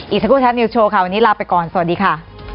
อีกสักครู่แท็บนิวโชว์ค่ะวันนี้ลาไปก่อนสวัสดีค่ะ